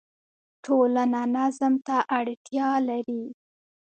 ټولنه نظم ته اړتیا لري.